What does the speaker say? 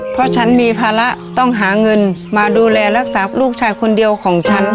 เพราะฉันมีภาระต้องหาเงินมาดูแลรักษาลูกชายคนเดียวของฉัน